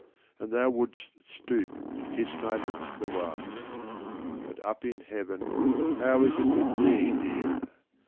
— And thou wouldst stoop to kiss my lips the while. But — up in heaven — how is it with thee, dear